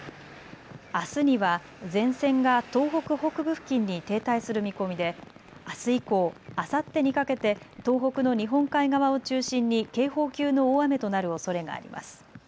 あすには前線が東北北部付近に停滞する見込みであす以降、あさってにかけて東北の日本海側を中心に警報級の大雨となるおそれがあります。